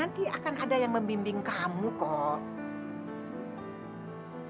nanti akan ada yang membimbing kamu kok